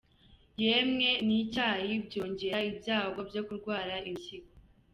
yemwe n’icyayi byongera ibyago byo kurwara impyiko.